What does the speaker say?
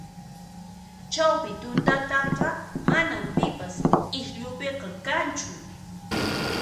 Chawpi tutataqa manan pipas k'ikllupiqa kanchu